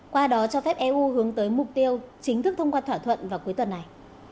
qua đó cho phép eu hướng tới mục tiêu chính thức thông qua thỏa thuận vào cuối tuần này